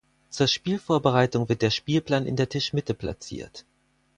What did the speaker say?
Zur Spielvorbereitung wird der Spielplan in der Tischmitte platziert.